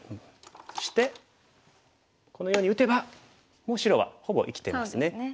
そしてこのように打てばもう白はほぼ生きてますね。